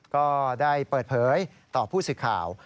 ก็ได้เปิดเผยต่อผู้สื่อข่าว